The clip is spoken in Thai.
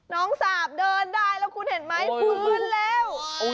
สาบเดินได้แล้วคุณเห็นไหมฟื้นแล้ว